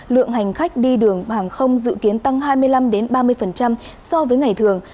lượng hành khách đi đường hàng không dự kiến tăng hai mươi năm ba mươi so với ngày thường